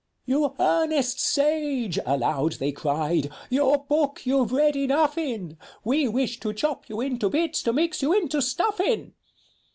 "You earnest Sage!" aloud they cried, "your book youVe read enough in ! We wish to chop you into bits to mix you into Stuffin' !